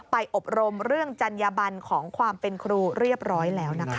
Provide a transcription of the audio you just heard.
อบรมเรื่องจัญญบันของความเป็นครูเรียบร้อยแล้วนะคะ